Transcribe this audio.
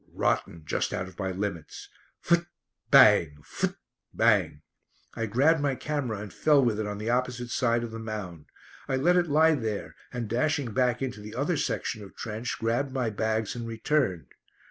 Rotten! Just out of my limits. Phut bang! Phut bang! I grabbed my camera and fell with it on the opposite side of the mound. I let it lie there, and dashing back into the other section of trench grabbed my bags and returned.